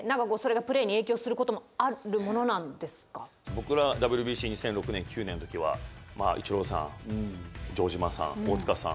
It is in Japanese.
僕らＷＢＣ、２００６年、２００９年のときはイチローさん、城島さん大塚さん